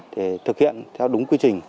để thực hiện theo đúng quy trình